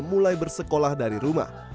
mulai bersekolah dari rumah